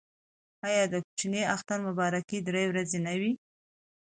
آیا د کوچني اختر مبارکي درې ورځې نه وي؟